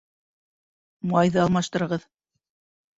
Майҙы алмаштырығыҙ